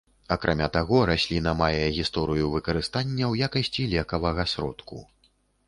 Акрамя таго, расліна мае гісторыю выкарыстання ў якасці лекавага сродку.